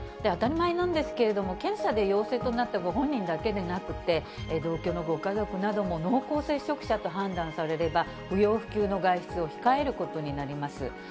当たり前なんですけれども、検査で陽性となったご本人だけじゃなくて、同居のご家族なども濃厚接触者と判断されれば、不要不急の外出を控えることになります。